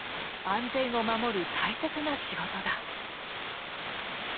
安全を守る大切な仕事だ。